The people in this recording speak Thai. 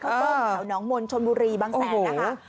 ต้มแถวหนองมนชนบุรีบางแสนนะคะ